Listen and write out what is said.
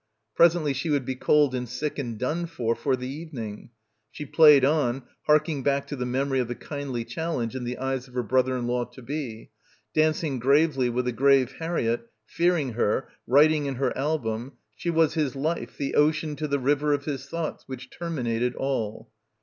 Presently she would be cold and sick and done for, for the evening. She played on, harking back to the memory of the kindly chal lenge in the eyes of her brother in law to be, dancing gravely with a grave Harriett — fearing her ... writing in her album: "She was his life, The ocean to the river of his thoughts — Which terminated all."